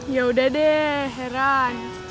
yaudah deh heran